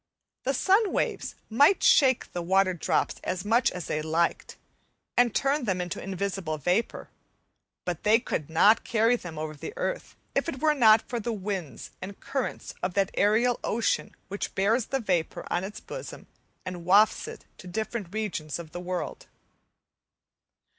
The sun waves might shake the water drops as much as they liked and turn them into invisible vapour, but they could not carry them over the earth if it were not for the winds and currents of that aerial ocean which bears the vapour on its bosom, and wafts it to different regions of the world.